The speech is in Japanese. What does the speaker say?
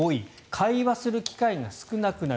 会話する機会が少なくなる。